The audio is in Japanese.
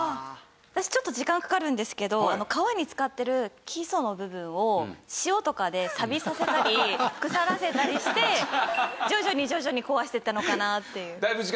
私ちょっと時間かかるんですけど川に漬かってる基礎の部分を塩とかでサビさせたり腐らせたりして徐々に徐々に壊していったのかなっていう。